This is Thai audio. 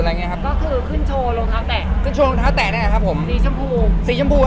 ซีชมพู